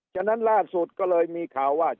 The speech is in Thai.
ฉะนั้นล่าสุดก็เลยมีข่าวว่า